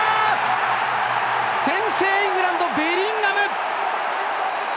先制、イングランドベリンガム！